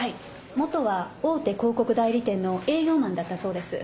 もとは大手広告代理店の営業マンだったそうです。